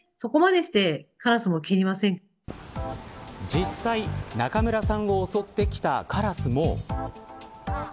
実際、中村さんを襲ってきたカラスも。